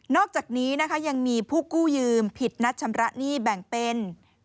อกจากนี้นะคะยังมีผู้กู้ยืมผิดนัดชำระหนี้แบ่งเป็น